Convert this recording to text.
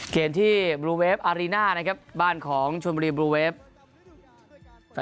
เกมที่บลูเวฟอารีน่านะครับบ้านของชนบุรีบลูเวฟ